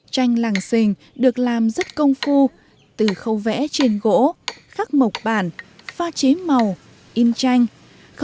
tranh làng sình được làm rất công phu từ khâu vẽ trên gỗ khắc mộc bản pha chế màu in tranh